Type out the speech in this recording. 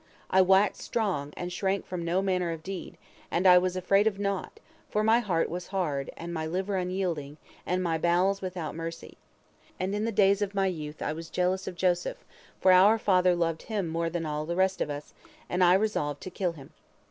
I waxed strong, and shrank from no manner of deed, and I was afraid of naught, for my heart was hard, and my liver unyielding, and my bowels without mercy. And in the days of my youth I was jealous of Joseph, for our father loved him more than all the rest of us, and I resolved to kill him.